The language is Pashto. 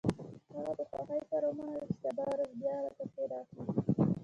هغه په خوښۍ سره ومنله چې سبا ورځ بیا پسې راشي